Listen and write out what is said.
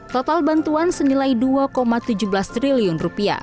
total bantuan senilai rp dua tujuh belas triliun